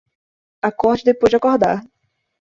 Acorde depois de acordar